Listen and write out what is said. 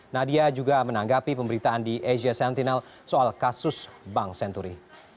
nadia juga menanggapi pemberitaan di asia sentinel soal kasus bank senturi